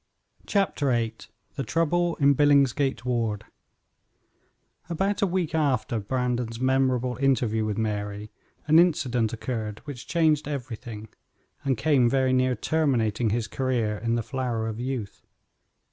CHAPTER VIII The Trouble in Billingsgate Ward About a week after Brandon's memorable interview with Mary an incident occurred which changed everything and came very near terminating his career in the flower of youth.